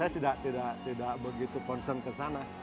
saya tidak begitu concern ke sana